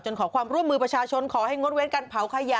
ขอความร่วมมือประชาชนขอให้งดเว้นการเผาขยะ